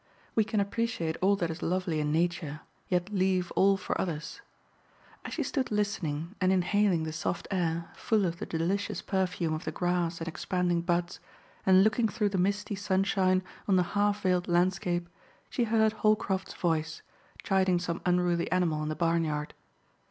We can appreciate all that is lovely in Nature, yet leave all for others. As she stood listening, and inhaling the soft air, full of the delicious perfume of the grass and expanding buds, and looking through the misty sunshine on the half veiled landscape, she heard Holcroft's voice, chiding some unruly animal in the barnyard.